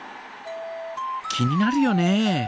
気になるよね。